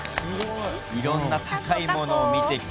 いろんな高いものを見てきて。